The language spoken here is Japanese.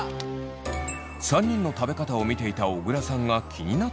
３人の食べ方を見ていた小倉さんが気になったのは。